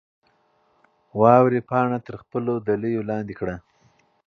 واورې پاڼه تر خپلو دلیو لاندې کړه.